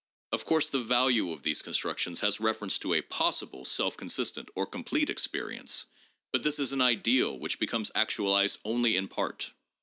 Of course the value of these constructions has reference to a 'possible' self consistent or complete experience, but this is an ideal which be comes actualized only in part.